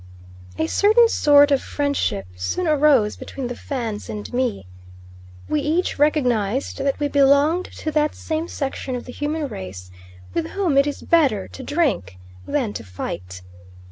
A certain sort of friendship soon arose between the Fans and me. We each recognised that we belonged to that same section of the human race with whom it is better to drink than to fight.